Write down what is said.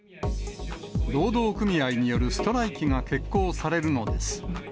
労働組合によるストライキが決行されるのです。